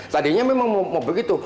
tadinya memang mau begitu